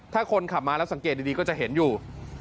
ถ้าคนขับมาแล้วสังเกตดีก็จะเห็นอยู่